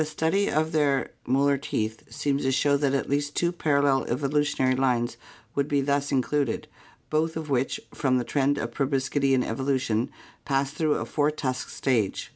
study of their molar teeth seems to show that at least two parallel evolutionary lines would be thus included, both of which from the trend of proboscidean evolution passed through a four tusked stage.